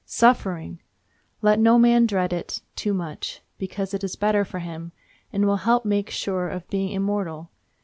Suffering! Let no man dread it too much, because it is better for him, and will help make him sure of being immortal.